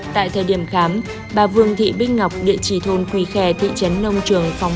tại thời điểm khám bà vương thị bích ngọc địa chỉ thôn quỳ khe thị trấn nông trường phòng